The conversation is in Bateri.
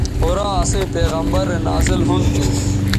قرآن اسئیں پیغمبرؐ رے نازل ھُون تھو